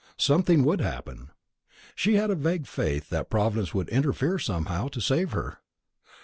Something would happen. She had a vague faith that Providence would interfere somehow to save her.